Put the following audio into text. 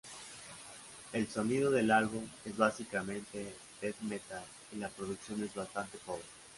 El sonido del álbum es básicamente "Death Metal" y la producción es bastante pobre.